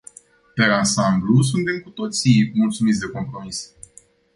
Per ansamblu, suntem cu toții mulțumiți de compromis.